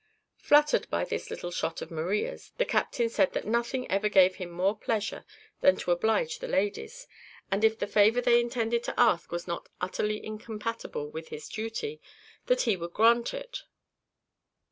Flattered by this little shot of Maria's, the captain said that nothing ever gave him more pleasure than to oblige the ladies; and if the favour they intended to ask was not utterly incompatible with his duty, that he would grant it.